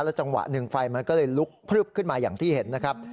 จังหวะหนึ่งไฟมันก็เลยลุกพลึบขึ้นมาอย่างที่เห็นนะครับ